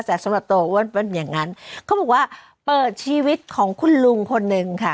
แต่สำหรับโตอ้วนอย่างนั้นเขาบอกว่าเปิดชีวิตของคุณลุงคนนึงค่ะ